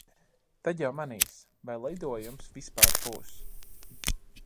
Tad jau manīs, vai lidojumus vispār būs.